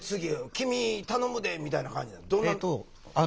君頼むで」みたいな感じなの？